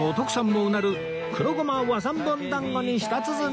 もうなる黒胡麻和三盆団子に舌鼓